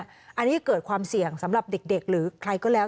อันนี้เกิดความเสี่ยงสำหรับเด็กหรือใครก็แล้ว